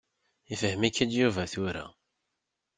Ifhem-ik-id Yuba tura.